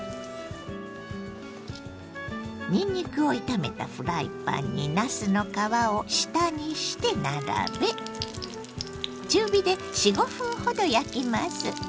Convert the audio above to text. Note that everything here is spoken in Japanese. にんにくを炒めたフライパンになすの皮を下にして並べ中火で４５分ほど焼きます。